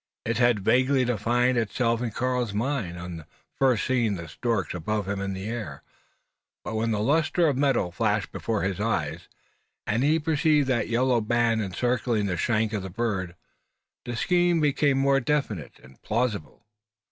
It had vaguely defined itself in Karl's mind, on first seeing the storks above him in the air; but when the lustre of metal flashed before his eyes, and he perceived that yellow band encircling the shank of the bird, the scheme became more definite and plausible.